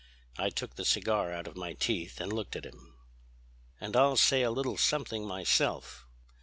I took the cigar out of my teeth and looked at him. "'And I'll say a little something myself!'